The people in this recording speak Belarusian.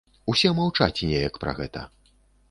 Усе маўчаць неяк пра гэта.